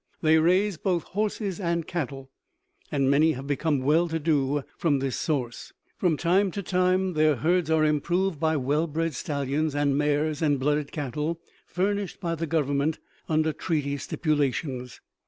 They raise both horses and cattle, and many have become well to do from this source. From time to time their herds are improved by well bred stallions and mares and blooded cattle, furnished by the Government under treaty stipulations.